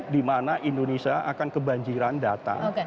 dimana indonesia akan kebanjiran data